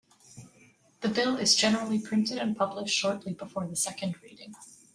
The bill is generally printed and published shortly before the second reading.